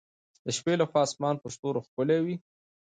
د شپې له خوا اسمان په ستورو ښکلی وي.